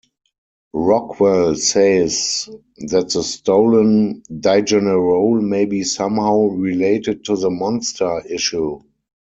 Rockwell says that the stolen Digenerol may be somehow related to the monster issue.